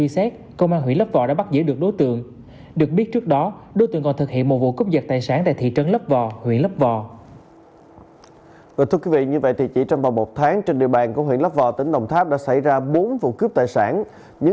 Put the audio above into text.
sau đó bắt giữ được tám đối tượng có liên quan